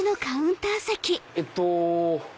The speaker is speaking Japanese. えっと。